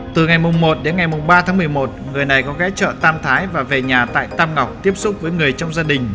từ ngày một đến ngày ba tháng một mươi một người này có gh trợ tam thái và về nhà tại tam ngọc tiếp xúc với người trong gia đình